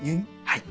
はい。